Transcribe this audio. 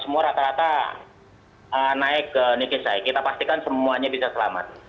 semua rata rata naik ke nikesai kita pastikan semuanya bisa selamat